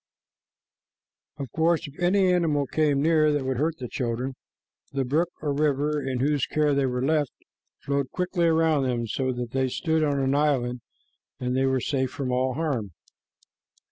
Of course, if any animal came near that would hurt the children, the brook or river in whose care they were left flowed quickly around them, so that they stood on an island and were safe from all harm.